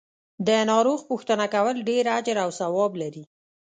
د ناروغ پو ښتنه کول ډیر اجر او ثواب لری .